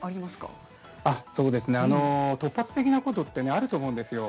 突発的なことはあると思うんですよ。